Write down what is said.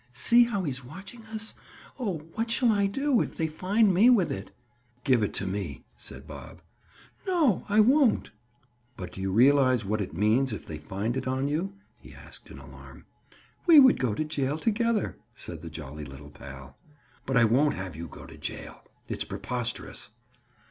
See how he's watching us. Oh, what shall I do, if they find me with it?" "Give it to me," said Bob. "No, I won't." "But do you realize what it means if they find it on you?" he asked in alarm. "We would go to jail together," said jolly little pal. "But I won't have you go to jail. It's preposterous."